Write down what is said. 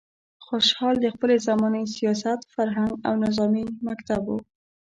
خوشحال د خپلې زمانې سیاست، فرهنګ او نظامي مکتب و.